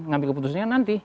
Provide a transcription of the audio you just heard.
mengambil keputusannya nanti